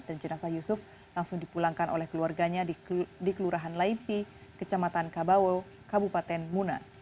dan jenazah yusuf langsung dipulangkan oleh keluarganya di kelurahan laipi kecamatan kabawo kabupaten muna